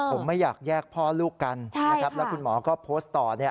ผมไม่อยากแยกพ่อลูกกันนะครับแล้วคุณหมอก็โพสต์ต่อ